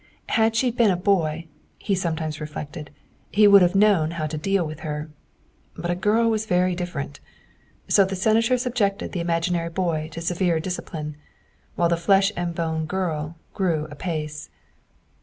Had she been a boy, he sometimes reflected, he would have known how to deal with her, but a girl was very different. So the Senator subjected the imaginary boy to severe discipline, while the flesh and blood girl grew apace.